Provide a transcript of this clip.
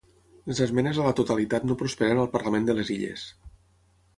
Les esmenes a la totalitat no prosperen al parlament de les Illes